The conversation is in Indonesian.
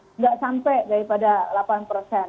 tidak sampai daripada delapan persen